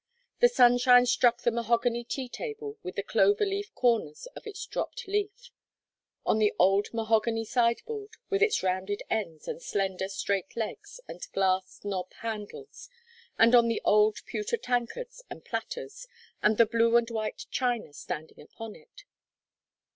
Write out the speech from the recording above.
The sunshine struck the mahogany tea table, with the clover leaf corners of its dropped leaf; on the old mahogany sideboard, with its rounded ends and slender, straight legs and glass knob handles, and on the old pewter tankards and platters, and the blue and white china standing upon it.